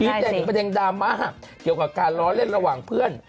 ใจถึงประเด็นดราม่าเกี่ยวกับการล้อเล่นระหว่างเพื่อน